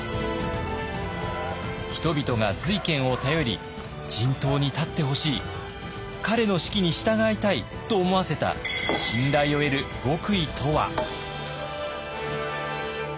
人々が瑞賢を頼り陣頭に立ってほしい彼の指揮に従いたいと思わせた信頼を得る極意とは。